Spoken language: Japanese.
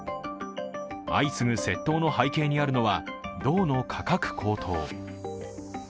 相次ぐ窃盗の背景にあるのは銅の価格高騰。